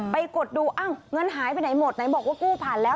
กดดูอ้าวเงินหายไปไหนหมดไหนบอกว่ากู้ผ่านแล้ว